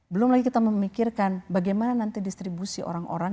belum lagi kita memikirkan bagaimana nanti distribusi orang orang